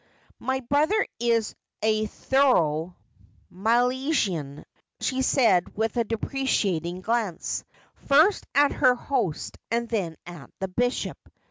' My brother is a thorough Milesian,' she said, with a depre cating glance, first at her host and then at the bishop.